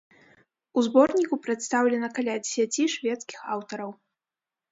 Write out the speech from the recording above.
У зборніку прадстаўлена каля дзесяці шведскіх аўтараў.